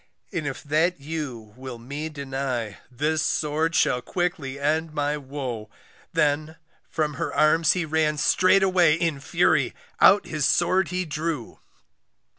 And if that you will me deny, This sword shall quickly end my woe, Then from her arms he ran straightway In fury, out his sword he drew.